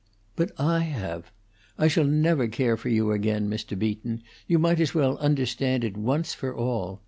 "But I have. I shall never care for you again, Mr. Beaton; you might as well understand it once for all.